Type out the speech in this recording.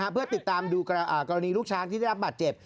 เพื่อติดตามดูกรณีลูกช้างที่ได้รับบาดเจ็บ